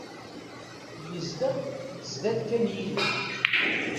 Yezdeɣ sdat kan yilel.